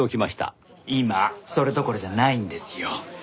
今それどころじゃないんですよ。